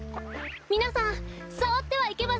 みなさんさわってはいけません！